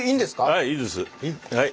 はいいいです。